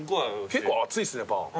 結構厚いっすねパン。